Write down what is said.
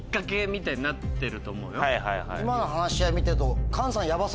今の話し合い見てると。